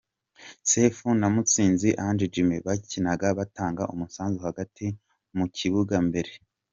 Sefu na Mutsinzi Ange Jimmy bakinaga batanga umusanzu hagati mu kibuga mbere